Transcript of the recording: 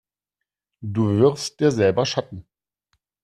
Du wirfst dir selber Schatten.